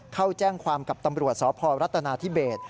เข้าแจ้งความกับตำรวจสพรัฐนาธิเบส